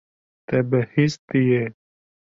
Te bihîstiye.